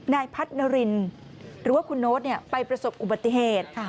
นายพัฒนารินหรือว่าคุณโน๊ตไปประสบอุบัติเหตุ